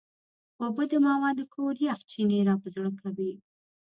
اوبه د ماما د کور یخ چینې راپه زړه کوي.